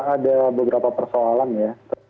ada beberapa persoalan ya